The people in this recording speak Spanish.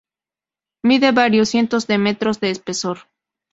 Mide varios cientos de metros de espesor.